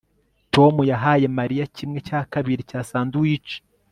Tom yahaye Mariya kimwe cya kabiri cya sandwich